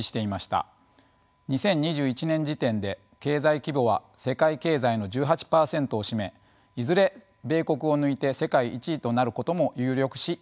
２０２１年時点で経済規模は世界経済の１８％を占めいずれ米国を抜いて世界１位となることも有力視されてきました。